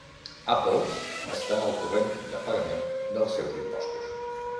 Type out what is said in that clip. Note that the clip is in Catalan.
Apple està al corrent de pagament dels seus impostos